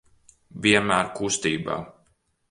Vienmēr kustībā.